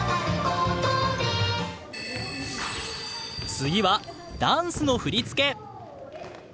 次はダンスの振り付け。